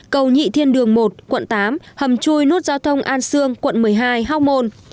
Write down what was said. cầu nhị thiên đường một quận tám hầm chui nút giao thông an sương quận một mươi hai hóc môn